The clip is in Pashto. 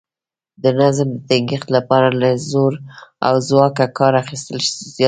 د نظم د ټینګښت لپاره له زور او ځواکه کار اخیستل زیات شول